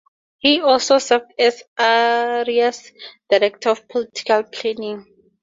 He also served as Arias' director of political planning.